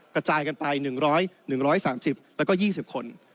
กระจายกันไป๑๑๓๐แล้วก็๒๐คน